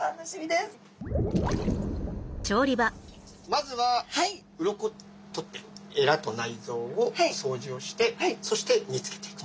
まずはうろこ取ってえらと内臓をそうじをしてそして煮つけていくと。